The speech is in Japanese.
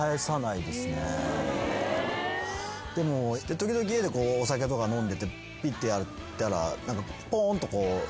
でも時々家でお酒とか飲んでてピッてやったらポンッと。